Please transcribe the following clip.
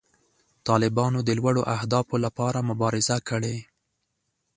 طالبانو د لوړو اهدافو لپاره مبارزه کړې.